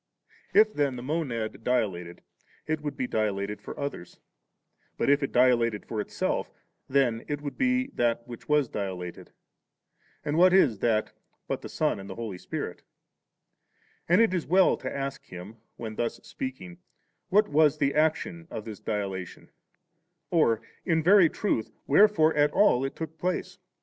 If then the Monad dilated, it would dilate for others ; but if it dilated for itself then it would be that which was dilated ; and what is diat but the Son and Holy Spirit ? And it is well to ask him, when thus speaking, what was the action 9 of this dilatation? or, in very truth, wherefore at all it took place